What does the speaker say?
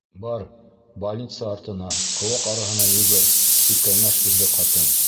- Бар, больница артына, ҡыуаҡ араһына йүгер, - тип кәңәш бирҙе ҡатын.